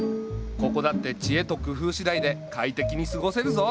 ここだって知恵と工夫しだいで快適に過ごせるぞ。